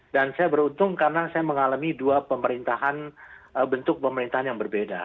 dan saya beruntung karena saya mengalami dua pemerintahan bentuk pemerintahan yang berbeda